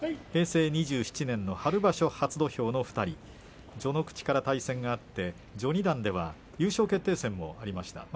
平成２７年の春場所初土俵の２人序ノ口から対戦があって序二段では優勝決定戦もありました。